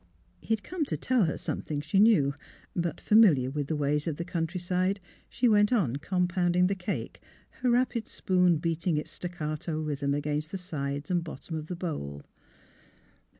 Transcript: He had come to tell her something, she knew; but familiar with the ways of the countryside she went on compounding the cake, 271 272 THE HEART OF PHILUEA her rapid spoon beating its staccato rhythm against the sides and bottom of the bowl.